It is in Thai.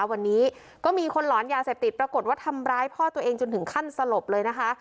วันนี้ก็มีคนหลอนยาเสพติดปรากฏว่าทำร้ายพ่อตัวเองจนถึงขั้นสลบเลยนะคะ